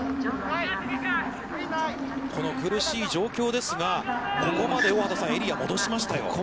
この苦しい状況ですが、ここまで大畑さん、エリアを戻しましたよ。